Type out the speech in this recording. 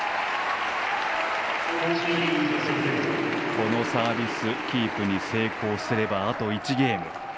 このサービスキープに成功すればあと１ゲーム。